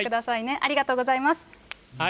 ありがとうございます。